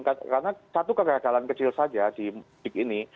karena satu kegagalan kecil saja di mudik ini